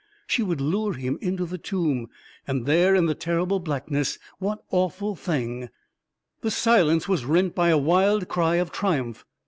She would lure him into the tomb ; and there, in the terrible blackness, what awful thing •.. The silence was rent by a wild cry of triumph.